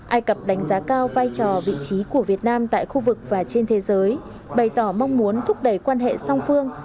ai cập đánh giá cao vai trò vị trí của việt nam tại khu vực và trên thế giới bày tỏ mong muốn thúc đẩy quan hệ song phương